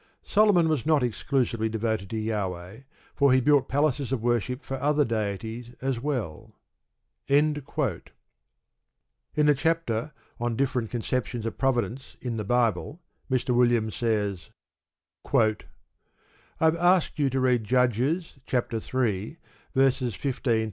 Solomon was not exclusively devoted to Jahweh, for he built places of worship for other deities as well. In the chapter on "Different Conceptions of Providence in the Bible," Mr. Williams says: I have asked you to read Judges iii.